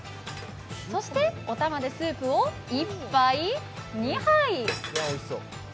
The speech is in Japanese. そしておたまでスープを１杯、２杯。